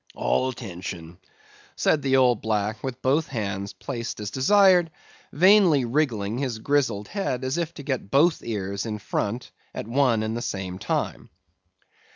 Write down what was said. "All 'dention," said the old black, with both hands placed as desired, vainly wriggling his grizzled head, as if to get both ears in front at one and the same time.